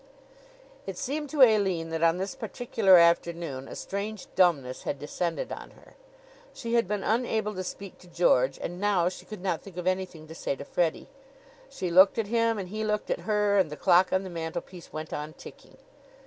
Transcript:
It seemed to Aline that on this particular afternoon a strange dumbness had descended on her. She had been unable to speak to George and now she could not think of anything to say to Freddie. She looked at him and he looked at her; and the clock on the mantel piece went on ticking.